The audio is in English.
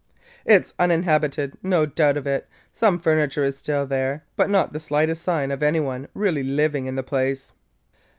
"It 's uninhabited; no doubt of it. Some furniture is there still, but not the slightest sign of any one really living in the place."